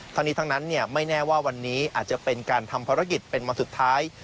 ทั้งนี้ทั้งนั้นไม่แน่ว่าวันนี้อาจจะเป็นการทำภารกิจเป็นวันสุดท้าย